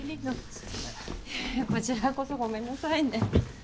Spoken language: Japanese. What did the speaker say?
こちらこそごめんなさいね。